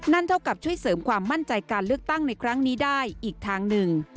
เท่ากับช่วยเสริมความมั่นใจการเลือกตั้งในครั้งนี้ได้อีกทางหนึ่ง